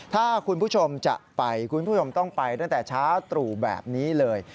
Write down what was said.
ถ้าคุณผู้ชมจะไปคุณผู้ชมต้องไปตั้งแต่เช้าตรู่แบบนี้เลย